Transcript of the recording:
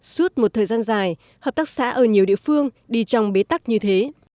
suốt một thời gian dài hợp tác xã ở nhiều địa phương đi trong bế tắc như thế